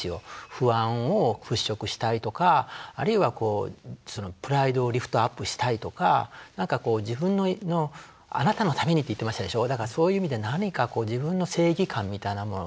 不安を払拭したいとかあるいはプライドをリフトアップしたいとか何かこう自分の「あなたのために」って言ってましたでしょう。